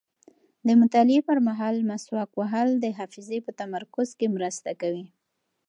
د مطالعې پر مهال مسواک وهل د حافظې په تمرکز کې مرسته کوي.